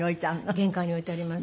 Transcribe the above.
玄関に置いてあります。